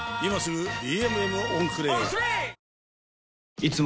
いつも